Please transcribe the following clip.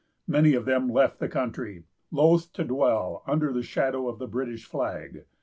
Many of them left the country, loath to dwell under the shadow of the British flag.